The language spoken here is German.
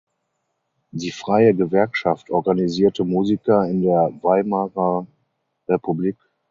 Die freie Gewerkschaft organisierte Musiker in der Weimarer Republik.